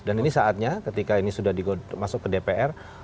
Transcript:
dan ini saatnya ketika ini sudah masuk ke dpr